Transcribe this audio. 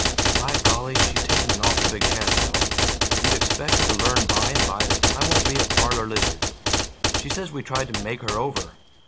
"By golly, she's taking an awful big chance, though. You'd expect her to learn by and by that I won't be a parlor lizard. She says we try to 'make her over.'